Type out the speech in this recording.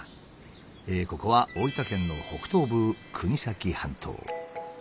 ここは大分県の北東部国東半島。